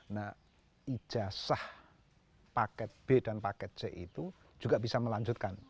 nah ijazah paket b dan paket c itu juga bisa melanjutkan